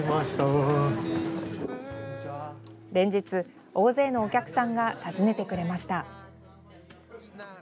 連日、大勢のお客さんが訪ねてくれました。